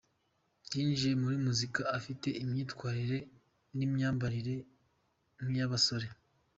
Yinjiye muri muzika afite imyitwarire n’imyambarire nk’iy’abasore.